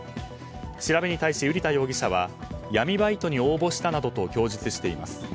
調べに対し瓜田容疑者は闇バイトに応募したなどと供述しています。